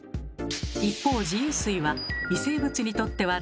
一方自由水は微生物にとっては大好物。